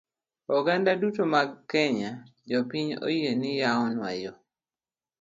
Oganda duto mag kenya, jopiny oyie ni yawnwa yoo!